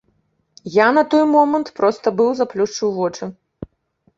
Я на той момант проста быў заплюшчыў вочы.